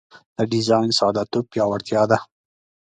د ډیزاین ساده توب پیاوړتیا ده.